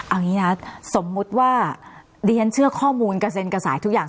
เอางี้นะสมมุติว่าดิฉันเชื่อข้อมูลกระเซ็นกระสายทุกอย่าง